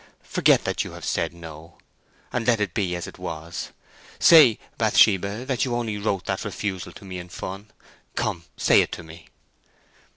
Forget that you have said No, and let it be as it was! Say, Bathsheba, that you only wrote that refusal to me in fun—come, say it to me!"